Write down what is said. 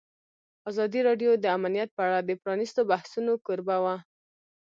ازادي راډیو د امنیت په اړه د پرانیستو بحثونو کوربه وه.